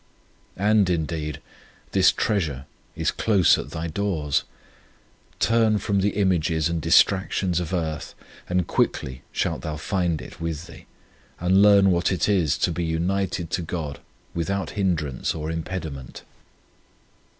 And, indeed, this treasure is close at thy doors. Turn from the images and distractions of earth, and quickly shalt thou find it with thee and learn what it is to be united to God without hindrance or impediment.